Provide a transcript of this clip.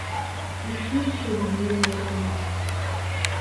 Ишимчыз ибжьы наиргеит.